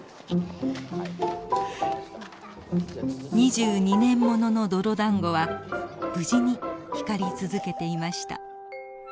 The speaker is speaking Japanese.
２２年物の泥だんごは無事に光り続けていました。